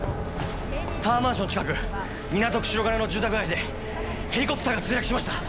タワーマンション近く港区白金の住宅街でヘリコプターが墜落しました。